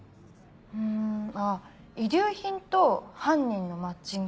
うんあぁ遺留品と犯人のマッチングとか。